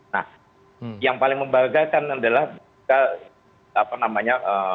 nah yang paling membanggakan adalah apa namanya